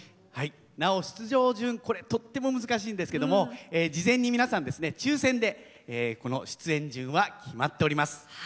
なお出場順これとっても難しいんですけども事前に皆さん抽選でこの出演順は決まっております。